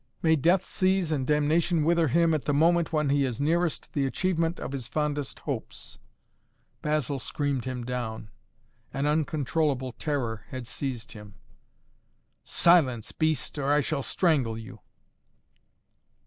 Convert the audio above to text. May death seize and damnation wither him at the moment when he is nearest the achievement of his fondest hopes!" Basil screamed him down. An uncontrollable terror had seized him. "Silence, beast, or I shall strangle you!"